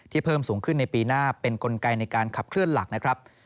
เพิ่มสูงขึ้นในปีหน้าเป็นกลไกในการขับเคลื่อนหลักนะครับ